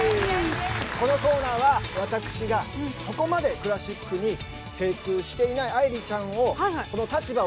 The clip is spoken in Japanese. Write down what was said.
このコーナーは私がそこまでクラシックに精通していないいけないよ！